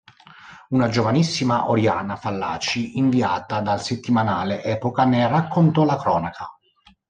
Una giovanissima Oriana Fallaci inviata dal settimanale Epoca ne raccontò la cronaca.